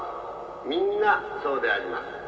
みんなそうであります